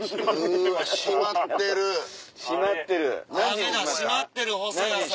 ダメだ閉まってるほそやさん！